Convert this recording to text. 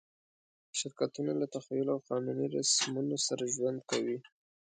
شرکتونه له تخیل او قانوني رسمونو سره ژوند کوي.